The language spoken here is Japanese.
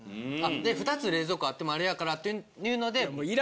で２つ冷蔵庫あってもあれやからっていうので。